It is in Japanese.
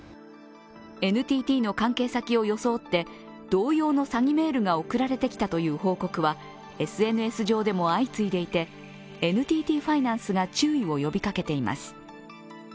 ＮＴＴの関係先を装って同様の詐欺メールが送られてきたという報告はＳＮＳ上でも相次いでいて、ＮＴＴファイナンスが注意を呼びかけています。